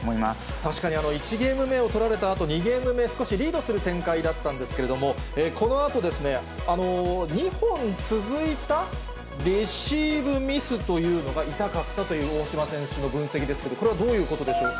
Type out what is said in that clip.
確かに１ゲームを取られたあと、２ゲーム目、少しリードする展開だったんですけれども、このあとですね、２本続いたレシーブミスというのが痛かったという、大島選手の分析ですけれども、これはどういうことでしょうか。